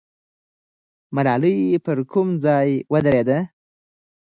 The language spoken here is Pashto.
ملالۍ پر کوم ځای ودرېده؟